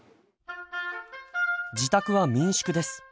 自宅は民宿です。